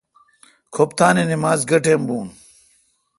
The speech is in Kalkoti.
کھپتان اے نمز گہ ٹیم بون